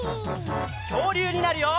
きょうりゅうになるよ！